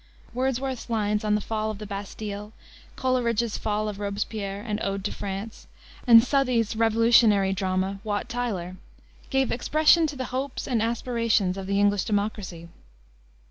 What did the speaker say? Wordsworth's lines on the Fall of the Bastile, Coleridge's Fall of Robespierre and Ode to France, and Southey's revolutionary drama, Wat Tyler, gave expression to the hopes and aspirations of the English democracy.